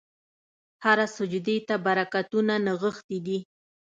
هره سجدې ته برکتونه نغښتي دي.